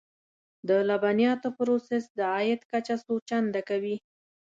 د لبنیاتو پروسس د عاید کچه څو چنده کوي.